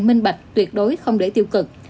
minh bạch tuyệt đối không để tiêu cực